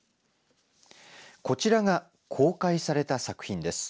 こちらが公開された作品です。